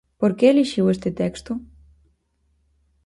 Por que elixiu este texto?